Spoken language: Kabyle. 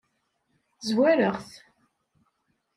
Zwareɣ-t.